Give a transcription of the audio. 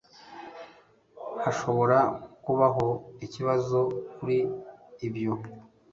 Hashobora kubaho ikibazo kuri ibyo.